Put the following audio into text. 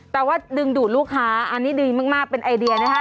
แต่ว่าดึงดูดลูกค้าอันนี้ดีมากเป็นไอเดียนะคะ